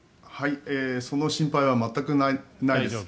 その心配は全くないです。